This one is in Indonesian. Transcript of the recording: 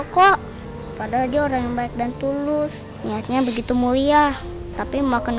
ya allah kesian mas joko padahal dia orang yang baik dan tulus niatnya begitu mulia tapi mau kena marah sama warga